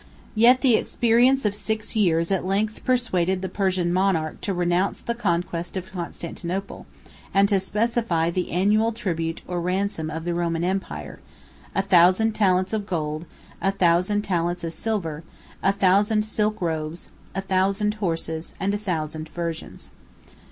Yet the experience of six years at length persuaded the Persian monarch to renounce the conquest of Constantinople, and to specify the annual tribute or ransom of the Roman empire; a thousand talents of gold, a thousand talents of silver, a thousand silk robes, a thousand horses, and a thousand virgins.